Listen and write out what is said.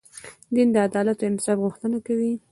دین د عدالت او انصاف غوښتنه کوي.